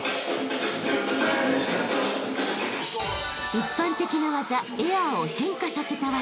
［一般的な技エアーを変化させた技］